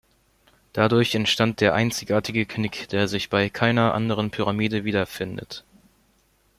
Dadurch entstand der einzigartige Knick, der sich bei keiner anderen Pyramide wiederfindet.